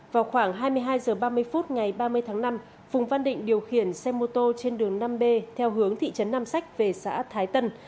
vào khoảng hai mươi hai h ba mươi phút ngày ba mươi tháng năm phùng văn định điều khiển xe mô tô trên đường năm b theo hướng thị trấn nam sách về xã thái tân